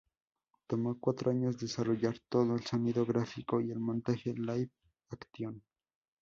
Tomó cuatro años desarrollar todo el sonido, gráficos y el montaje live action.